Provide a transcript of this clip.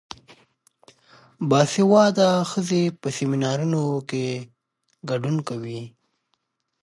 باسواده ښځې په سیمینارونو کې ګډون کوي.